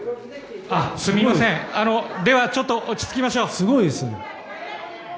ちょっと落ち着きましょう。